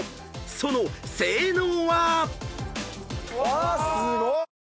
その性能は⁉］